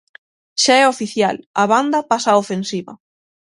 Xa é oficial: a banda pasa á ofensiva.